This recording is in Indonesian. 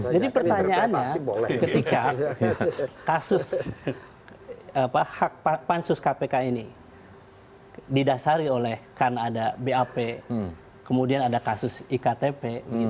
jadi pertanyaannya ketika kasus hak pansus kpk ini didasari oleh karena ada bap kemudian ada kasus iktp